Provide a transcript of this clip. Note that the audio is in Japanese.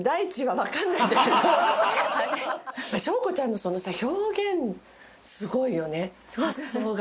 翔子ちゃんのそのさ表現すごいよね発想が。